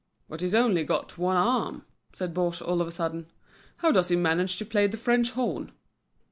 "But he's only got one arm," said Baugé all of a sudden. "How does he manage to play the French horn?"